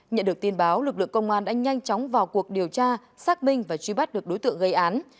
nhận được tin báo lực lượng công an đã nhanh chóng vào cuộc điều tra xác minh và truy bắt được đối tượng gây án